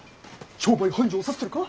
商売繁盛させてるか？